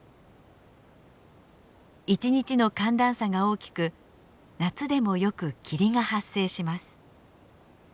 一日の寒暖差が大きく夏でもよく霧が発生します。